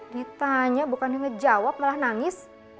ditanya bukan ngejawab malah nangis